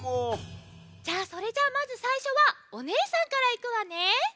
それじゃあまずさいしょはおねえさんからいくわね。